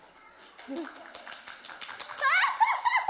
アハハハ！